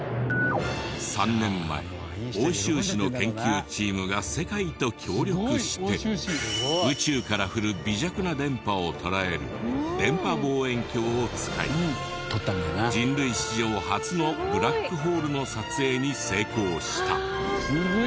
３年前奥州市の研究チームが世界と協力して宇宙から降る微弱な電波を捉える電波望遠鏡を使い人類史上初のブラックホールの撮影に成功した。